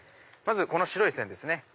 まずこの白い線ですね